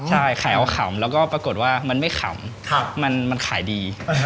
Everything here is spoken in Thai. ใช่ขายเอาขำแล้วก็ปรากฏว่ามันไม่ขำมันขายดี